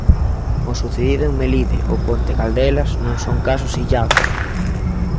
O sucedido en Melide ou Ponte Caldelas non son casos illados.